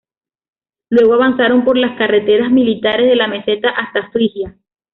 Luego avanzaron por las carreteras militares de la meseta hasta Frigia.